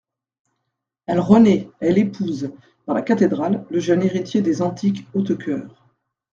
Elle renaît, elle épouse, dans la cathédrale, le jeune héritier des antiques Hautecoeur.